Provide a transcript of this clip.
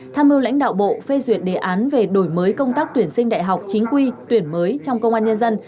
tham mưu lãnh đạo bộ phê duyệt đề án về đổi mới công tác tuyển sinh đại học chính quy tuyển mới trong công an nhân dân